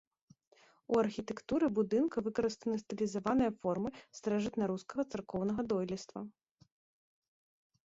У архітэктуры будынка выкарыстаны стылізаваныя формы старажытнарускага царкоўнага дойлідства.